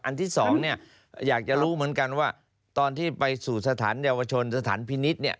ที่สองเนี่ยอยากจะรู้เหมือนกันว่าตอนที่ไปสู่สถานเยาวชนสถานพินิษฐ์เนี่ย